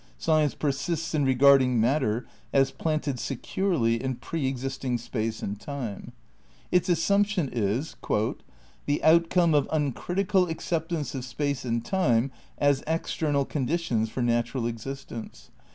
Science persists in regarding mat ter as planted securely in pre existing space and time. Its assumption is "the outcome of imcritical acceptance of space and time as ex ternal conditions for natural existence